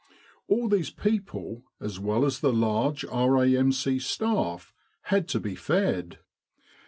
All these people as well as the large R.A.M.C. staff had to be fed.